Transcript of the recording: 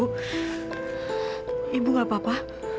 ibu ibu gak apa apa